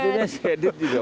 sebetulnya si edit juga boleh